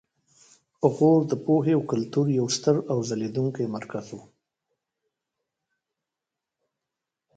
غور د پوهې او کلتور یو ستر او ځلیدونکی مرکز و